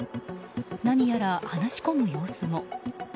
何やら話し込む様子も。